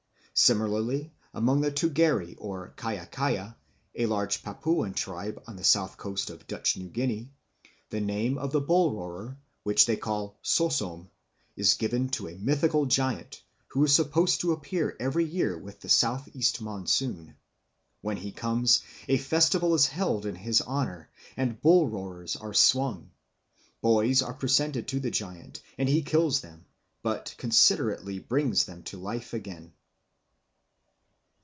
Similarly among the Tugeri or Kaya Kaya, a large Papuan tribe on the south coast of Dutch New Guinea, the name of the bull roarer, which they call sosom, is given to a mythical giant, who is supposed to appear every year with the south east monsoon. When he comes, a festival is held in his honour and bull roarers are swung. Boys are presented to the giant, and he kills them, but considerately brings them to life again.